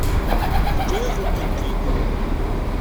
Teǧǧa-yakent-tent-id.